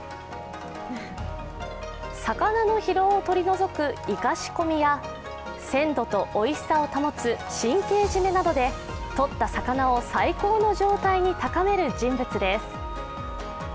魚の疲労を取り除く活かし込みや鮮度とおいしさを保つ神経締めなどで取った魚を最高の状態に高める人物です。